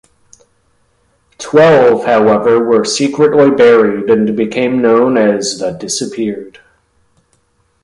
Twelve, however, were secretly buried and became known as "the Disappeared".